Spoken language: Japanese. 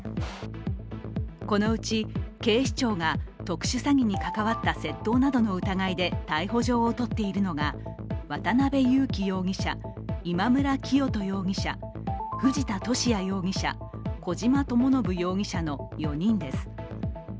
このうち、警視庁が特殊詐欺に関わった窃盗などの疑いで逮捕状を取っているのが渡辺優樹容疑者、今村磨人容疑者藤田聖也容疑者、小島智信容疑者の４人です。